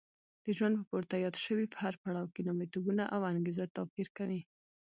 د ژوند په پورته یاد شوي هر پړاو کې لومړیتوبونه او انګېزه توپیر کوي.